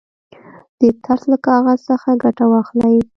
د ترس له کاغذ څخه ګټه واخلئ.